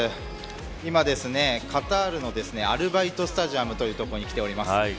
今、カタールのアルバイトスタジアムという所に来ております。